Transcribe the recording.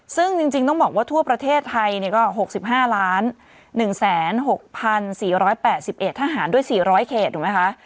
ซึ่งจริงต้องบอกว่าทั่วประเทศไทยก็๖๕๑๖๔๘๑ทหารด้วย๔๐๐เขตถูกไหมคะ